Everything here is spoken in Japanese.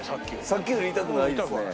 さっきより痛くないですね。